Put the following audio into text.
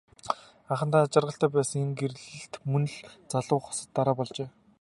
Анхандаа аз жаргалтай байсан энэ гэрлэлт мөн л залуу хосод дараа болжээ.